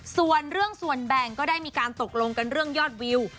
ส่วนเรื่องส่วนแบ่งก็ได้มีการตกลงกันเรื่องยอดวิว